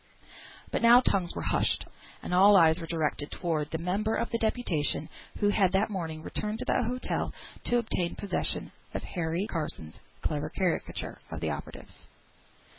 But now tongues were hushed, and all eyes were directed towards the member of the deputation who had that morning returned to the hotel to obtain possession of Harry Carson's clever caricature of the operatives.